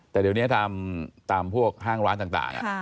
แต่เดี๋ยวนี้ตามพวกห้างร้านต่าง